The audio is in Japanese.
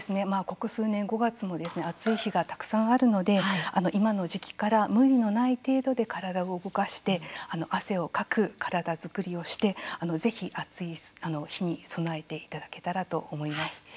ここ数年５月も暑い日がたくさんあるので今の時期から無理のない程度で体を動かして汗をかく体作りをしてぜひ暑い日に備えていただけたらと思います。